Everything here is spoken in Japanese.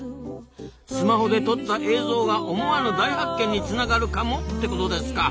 スマホで撮った映像が思わぬ大発見につながるかもってことですか。